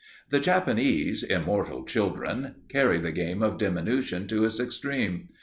The Japanese, immortal children, carry the game of diminution to its extreme.